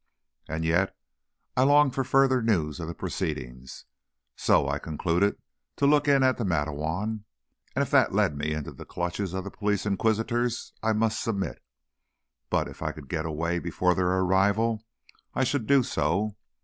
And yet, I longed for further news of the proceedings. So, I concluded to look in at the Matteawan, and if that led me into the clutches of the police inquisitors, I must submit. But, if I could get away before their arrival, I should do so.